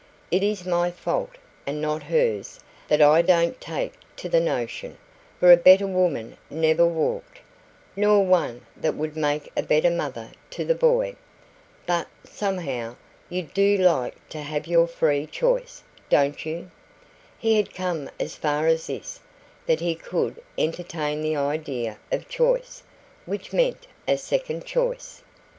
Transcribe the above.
It is my fault, and not hers, that I don't take to the notion; for a better woman never walked, nor one that would make a better mother to the boy. But, somehow, you DO like to have your free choice, don't you?" He had come as far as this that he could entertain the idea of choice, which meant a second choice.